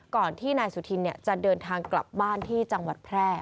ก่อนที่นายสุธินจะเดินทางกลับบ้านที่จังหวัดแพร่